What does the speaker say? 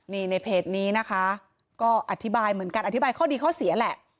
นี่ในเพจนี้นะคะก็อธิบายเหมือนกันอธิบายข้อดีข้อเสียแหละ